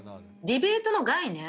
ディベートの概念